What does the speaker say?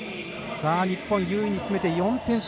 日本、優位に進めて４点差。